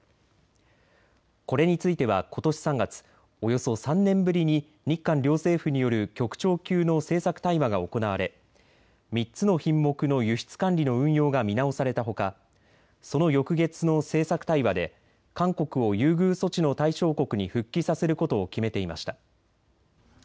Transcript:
これについてはことし３月、およそ３年ぶりに日韓両政府による局長級の政策対話が行われ３つの品目の輸出管理の運用が見直されたほか、その翌月の政策対話で韓国を優遇措置の対象国に復帰させることを決めていました。